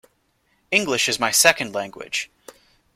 English is my second language.